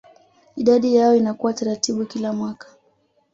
Idadi yao inakuwa taratibu kila mwaka